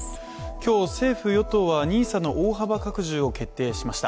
今日、政府・与党はＮＩＳＡの大幅拡充を決定しました。